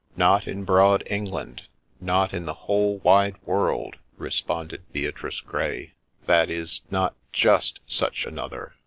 ' Not in broad England — not in the whole wide world !' re sponded Beatrice Grey ;' that is, not just such another